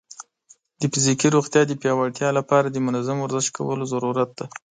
د فزیکي روغتیا د پیاوړتیا لپاره د منظم ورزش کولو ضرورت دی.